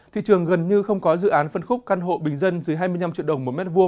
thị trường gần như không có dự án phân khúc căn hộ bình dân dưới hai mươi năm triệu đồng một m hai